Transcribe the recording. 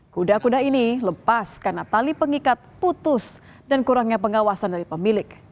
kuda kuda ini lepas karena tali pengikat putus dan kurangnya pengawasan dari pemilik